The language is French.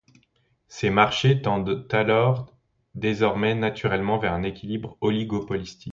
Ces marchés tendent alors désormais naturellement vers un équilibre oligopolistique.